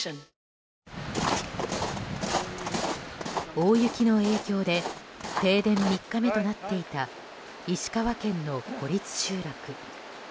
大雪の影響で停電３日目となっていた石川県の孤立集落。